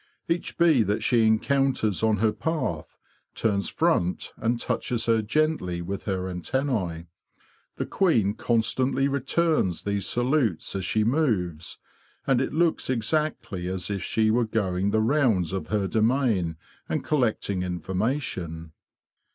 Each bee that she encounters on her path turns front and touches her gently with her antenne. The queen constantly returns these salutes as she moves, and it looks exactly as if she were going the rounds of her domain and collecting information.